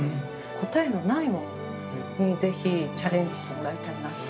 答えのないものにぜひチャレンジしてもらいたいなって。